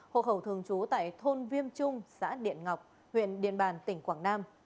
hộ khẩu thường trú tại thôn viêm trung xã điện ngọc huyện điện bàn tỉnh quảng nam